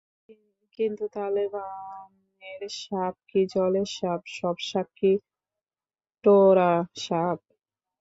কিন্তু তালবনের সাপ কি জলের সাপ, সব সাপ কি টোড়া সাপ?